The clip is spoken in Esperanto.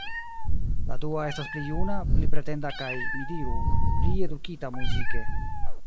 La dua estas pli juna, pli pretenda kaj, mi diru, pli edukita muzike.